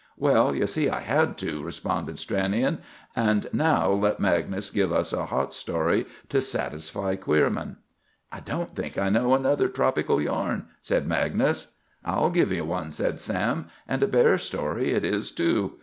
"Well, you see I had to," responded Stranion. "And now let Magnus give us a hot story to satisfy Queerman." "I don't think I know another tropical yarn," said Magnus. "I'll give you one," said Sam, "and a bear story it is too.